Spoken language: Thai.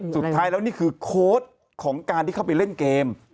สุดท้ายแล้วนี่คือโค้ดของการที่เข้าไปเล่นเกม